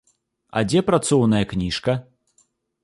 А дзе працоўная кніжка?